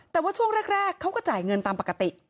แต่ว่าช่วงแรกเขาก็จ่ายเงินตามปกติ